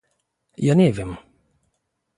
"Ja nie wiem."